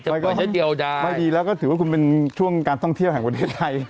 มันก็ไม่ดีแล้วก็ถือว่าคุณเป็นช่วงการท่องเที่ยวแห่งประเทศไทย